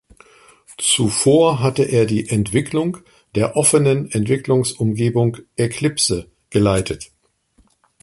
Zuvor hatte er die Entwicklung der offenen Entwicklungsumgebung Eclipse geleitet.